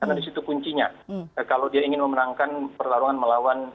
karena di situ kuncinya kalau dia ingin memenangkan pertarungan melawan donald trump